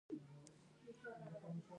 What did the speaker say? د باختر د سرو زرو پیالې د افروډایټ انځور لري